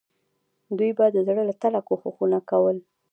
دوی به د زړه له تله کوښښونه کول.